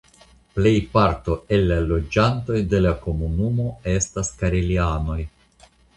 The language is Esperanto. Plejparto el la loĝantoj de la komunumo estas karelianoj.